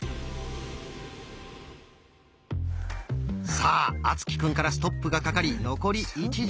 さあ敦貴くんからストップがかかり残り一巡！